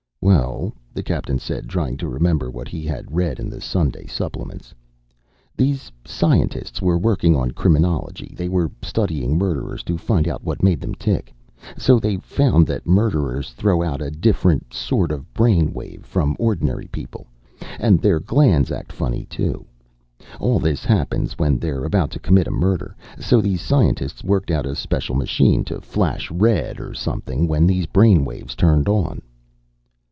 "Well," the captain said, trying to remember what he had read in the Sunday supplements, "these scientists were working on criminology. They were studying murderers, to find out what made them tick. So they found that murderers throw out a different sort of brain wave from ordinary people. And their glands act funny, too. All this happens when they're about to commit a murder. So these scientists worked out a special machine to flash red or something when these brain waves turned on."